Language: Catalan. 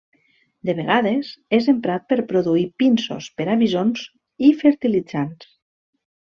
De vegades, és emprat per produir pinsos per a visons i fertilitzants.